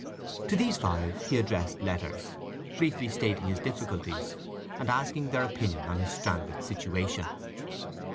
To these five he addressed letters, briefly stating his difficulties, and asking their opinion on his stranded situation.